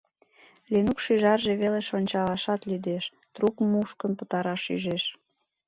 Ленук шӱжарже велыш ончалашат лӱдеш — трук мушкын пытараш ӱжеш?